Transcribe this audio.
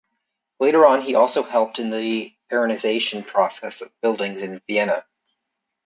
Later on, he also helped in the aryanization process of buildings in Vienna.